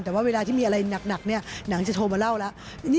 แต่ว่าเวลาที่มีอะไรหนักเนี่ยหนังจะโทรมาเล่าแล้ว